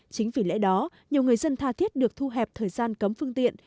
chính vì lẽ đó nhiều người dân tha thiết được thu hẹp thời gian cấm phương tiện